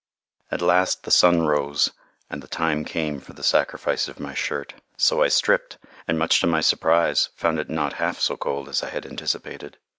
At last the sun rose, and the time came for the sacrifice of my shirt. So I stripped, and, much to my surprise, found it not half so cold as I had anticipated.